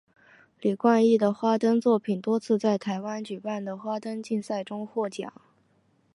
李冠毅的花灯作品多次在台湾举办的花灯竞赛中获奖。